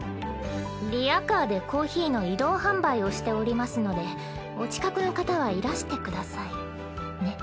「リヤカーでコーヒーの移動販売をしておりますのでお近くの方はいらしてください」ね。